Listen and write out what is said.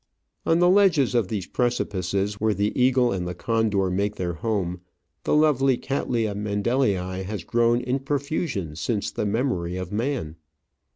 On the ledges of these precipices, where the eagle and the condor make their home, the lovely Cattleya Mendelii has grown in profusion since the memory of man.